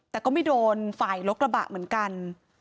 แต่ก็ไม่โดนฝ่ายรถกระบะเหมือนกัน